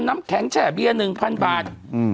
น้ำแข็งแช่เบี้ยหนึ่งพันบาท